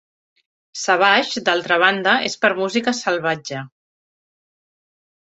Savage, d'altra banda, és per música "salvatge".